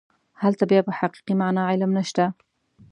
هلته بیا په حقیقي معنا علم نشته.